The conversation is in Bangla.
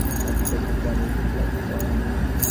এই বিচারপ্রক্রিয়ায় আন্তর্জাতিক সহায়তা চাওয়া হয়নি।